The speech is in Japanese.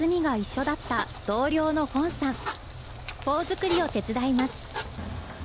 フォー作りを手伝います。